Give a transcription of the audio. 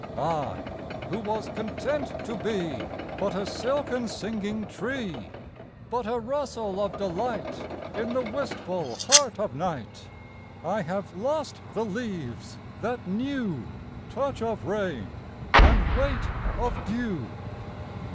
I who was content to beBut a silken singing tree, But a rustle of delightIn the wistful heart of night,I have lost the leaves that knewTouch of rain and weight of dew.